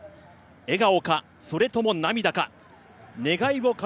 笑顔か、それとも涙か。